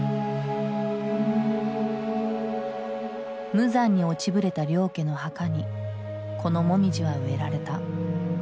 無残に落ちぶれた領家の墓にこのモミジは植えられた。